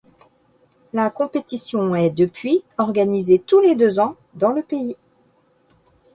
La compétition est, depuis, organisée tous les deux ans dans le pays.